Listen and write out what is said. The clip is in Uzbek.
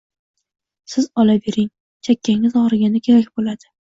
Sizga, olavering. Chakkangiz ogʻriganda kerak boʻladi.